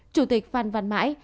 chủ tịch phan văn mãi